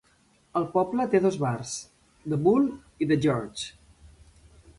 El poble té dos bars, The Bull i The George.